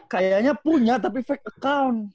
kayaknya punya tapi fake account